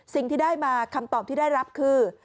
สิ่งที่ได้มาคำตอบที่ได้รับคือ